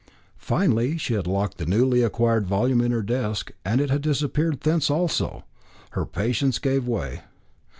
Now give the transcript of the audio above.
Finally, when she had locked the newly acquired volume in her desk, and it had disappeared thence also, her patience gave way.